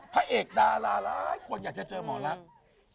พระเอกดาราหลายคนอยากจะเจอหมอลักษณ์